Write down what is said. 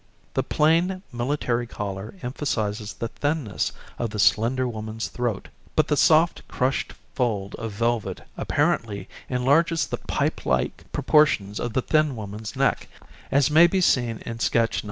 70] The plain, military collar emphasizes the thinness of the slender woman's throat; but the soft crushed fold of velvet apparently enlarges the pipe like proportions of the thin woman's neck, as may be seen in sketch No.